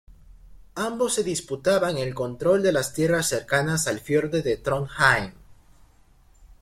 Ambos se disputaban el control de las tierras cercanas al fiordo de Trondheim.